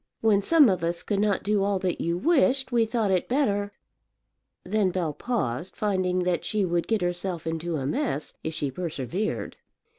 When some of us could not do all that you wished, we thought it better " Then Bell paused, finding that she would get herself into a mess if she persevered.